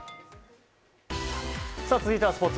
続いてはスポーツ。